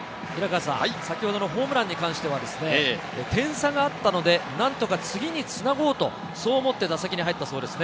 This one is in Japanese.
先ほどのホームランに関して、点差があったので、なんとか次につなごうと思って打席に入ったそうです。